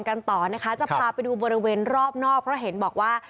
กันต่อนะคะจะพาไปดูบริเวณรอบนอกเพราะเห็นบอกว่า